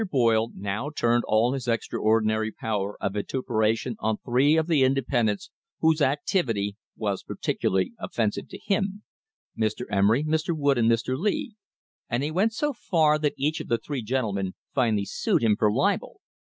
Boyle now turned all his extraordinary power of vituperation on three of the independents whose activity was particularly offensive to him Mr. Emery, Mr. Wood and Mr. Lee and he went so far that each of the three gentlemen finally sued him for libel.